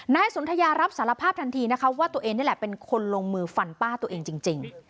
สนทยารับสารภาพทันทีนะคะว่าตัวเองนี่แหละเป็นคนลงมือฟันป้าตัวเองจริง